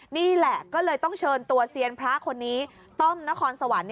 นี่แหละก็เลยต้องเชิญตัวเซียนพระคนนี้ต้อมนครสวรรค์